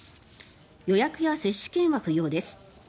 予約は接種券は不要です。